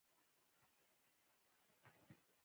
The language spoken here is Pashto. آیا ټیکنالوژي اقتصاد ته وده ورکوي؟